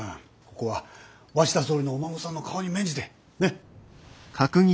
ここは鷲田総理のお孫さんの顔に免じてね。